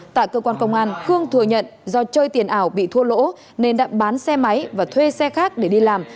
tại cơ quan công an khương thừa nhận do chơi tiền ảo bị thua lỗ nên đã bán xe máy và thuê xe khác để đi làm